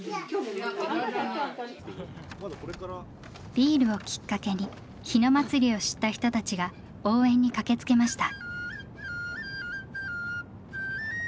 ビールをきっかけに日野祭を知った人たちが応援に駆けつけました。